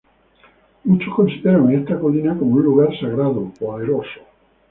Muchos consideran esta colina como un lugar sagrado poderoso.